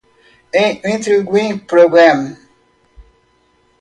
An intriguing program.